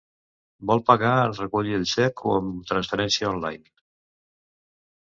Vol pagar en recollir el xec o amb transferència online?